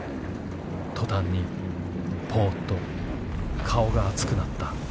途端にぽうと顔が熱くなった」。